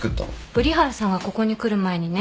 瓜原さんがここに来る前にね